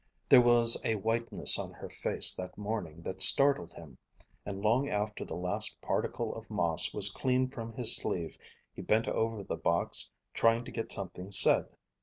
There was a whiteness on her face that morning that startled him, and long after the last particle of moss was cleaned from his sleeve he bent over the box trying to get something said.